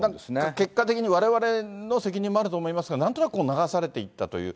結果的にわれわれの責任もあると思いますが、なんとなく流されていったという。